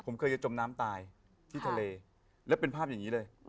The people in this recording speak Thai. ผมเคยจะจมน้ำตายที่ทะเลแล้วเป็นภาพอย่างนี้เลย